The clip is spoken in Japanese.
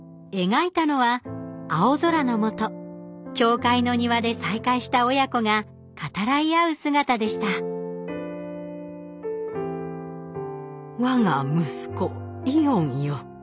描いたのは青空のもと教会の庭で再会した親子が語らい合う姿でした「我が息子イオンよ。